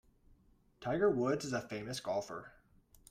Tiger Woods is a famous golfer.